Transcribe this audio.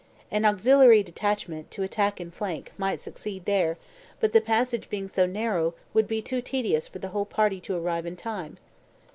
An auxiliary detachment, to attack in flank, might succeed there; but the passage being so narrow, would be too tedious for the whole party to arrive in time.